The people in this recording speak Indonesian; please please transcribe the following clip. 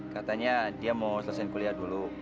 katanya dia mau selesaikan kuliah dulu